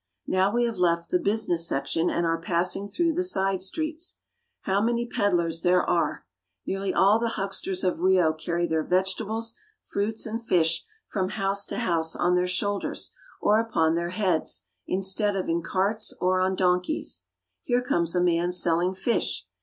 Now we have left the business section and are passing through the side streets. How many peddlers there are ! Nearly all the hucksters of Rio carry their vegetables, fruits, and fish from house to house on their shoulders or upon their heads, instead of in carts or on donkeys. Here comes a man selling fish.